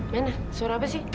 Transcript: mana suara apa sih